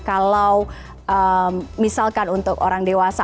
kalau misalkan untuk orang dewasa